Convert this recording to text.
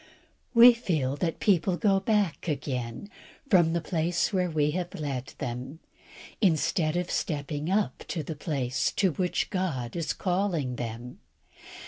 We feel that people go back again from the place where we have led them, instead of stepping up to the place to which God is calling them.